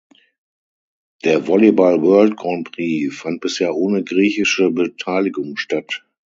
Der Volleyball World Grand Prix fand bisher ohne griechische Beteiligung statt.